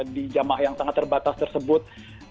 di jamaah yang sangat terbatas tersebut